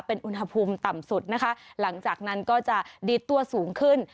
เป็นอุณหภูมิต่ำสุดนะคะหลังจากนั้นก็จะดีดตัวสูงขึ้น